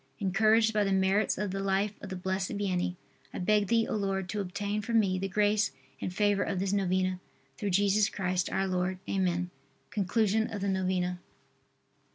Encouraged by the merits of the life of the Blessed Vianney, I beg Thee, O Lord, to obtain for me the grace and favor of this novena, through Jesus Christ, our Lord. Amen. _Conclusion of the Novena.